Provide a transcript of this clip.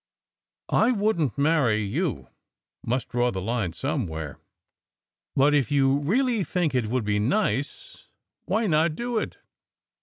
" I wouldn t marry you ! Must draw the line somewhere. But if you really think it would be nice, why not do it?